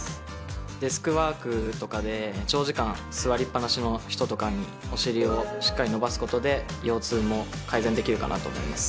デスクワークとかで長時間座りっぱなしの人とかにお尻をしっかり伸ばすことで腰痛も改善できるかなと思います。